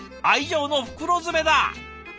愛情の袋詰めだ！